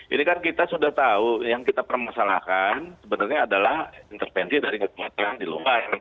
ini kan kita sudah tahu yang kita permasalahkan sebenarnya adalah intervensi dari kekuatan di luar